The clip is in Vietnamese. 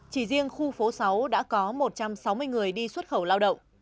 chỉ riêng khu phố sáu đã có một trăm sáu mươi người đi xuất khẩu lao động